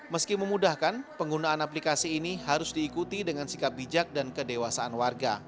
meski memudahkan penggunaan aplikasi ini harus diikuti dengan sikap bijak dan kedewasaan warga